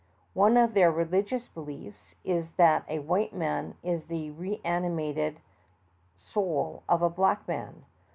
One of their religious beliefs is that a white man is the reanimated soul of a black man.